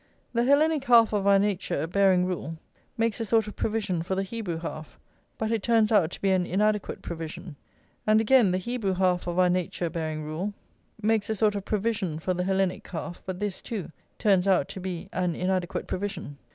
The Hellenic half of our nature, bearing rule, makes a sort of provision for the Hebrew half, but it turns out to be an inadequate provision; and again the Hebrew half of our nature bearing rule makes a sort of provision for the Hellenic half, but this, too, turns out to be an inadequate provision.